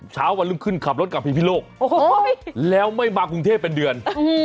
เช้าวันรุ่งขึ้นขับรถกลับพิพิโลกแล้วไม่มากรุงเทพเป็นเดือน